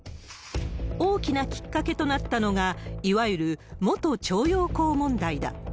大きなきっかけとなったのが、いわゆる元徴用工問題だ。